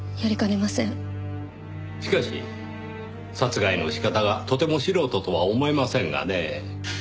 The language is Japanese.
しかし殺害の仕方がとても素人とは思えませんがねぇ。